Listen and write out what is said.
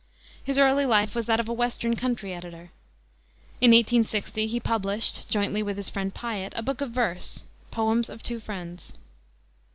His early life was that of a western country editor. In 1860 he published, jointly with his friend Piatt, a book of verse Poems of Two Friends.